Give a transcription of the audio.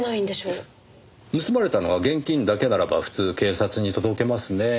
盗まれたのが現金だけならば普通警察に届けますねぇ。